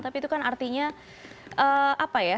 tapi itu kan artinya apa ya